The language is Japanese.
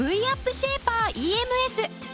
シェイパーＥＭＳ。